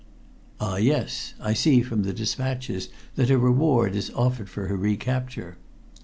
"Ah, yes. I see from the despatches that a reward is offered for her recapture."